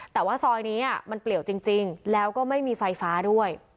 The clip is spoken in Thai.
แต่ว่าซอยนี้มันเปลี่ยวจริงแล้วก็ไม่มีไฟฟ้าด้วย